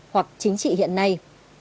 hoặc chính trị hiện nay